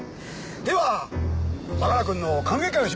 では相良くんの歓迎会をしましょう。